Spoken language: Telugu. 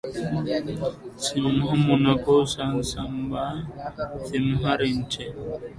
సింహమును శశంబు సంహరించె